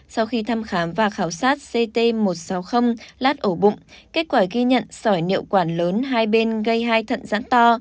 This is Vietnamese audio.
sau khi thăm khám và khảo sát ct một trăm sáu mươi lát ổ bụng kết quả ghi nhận sỏi niệu quản lớn hai bên gây hai thận rãn to